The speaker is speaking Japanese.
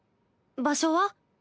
場所は？